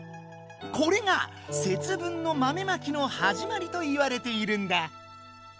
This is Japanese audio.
これが節分の豆まきのはじまりといわれているんだ。